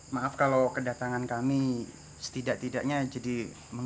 minyak wangi gue dari amerika hilang